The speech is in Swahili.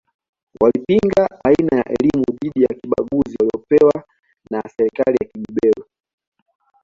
Walipinga aina ya elimu dhidi ya kibaguzi waliyopewa na serikali ya kibeberu